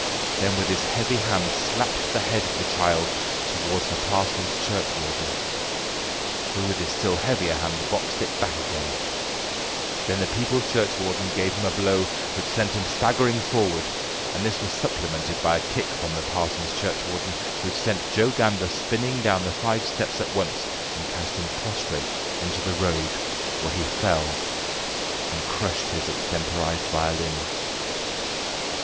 then with his heavy hand slapped the head of the child towards the parson's churchwarden, who with his still heavier hand boxed it back again; then the people's churchwarden gave him a blow which sent him staggering forward, and this was supplemented by a kick from the parson's churchwarden, which sent Joe Gander spinning down the five steps at once and cast him prostrate into the road, where he fell and crushed his extemporised violin.